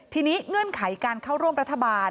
ทีนี้เงื่อนไขการเข้าร่วมรัฐบาล